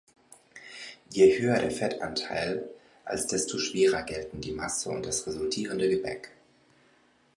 Je höher der Fettanteil, als desto „schwerer“ gelten die Masse und das resultierende Gebäck.